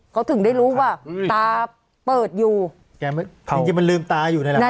เขาถึงได้รู้ว่าตาเปิดอยู่จริงจริงมันลืมตาอยู่นี่แหละ